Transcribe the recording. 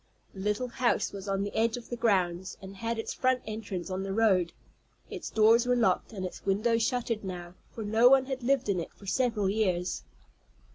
The little house was on the edge of the grounds, and had its front entrance on the road. Its doors were locked and its windows shuttered now, for no one had lived in it for several years.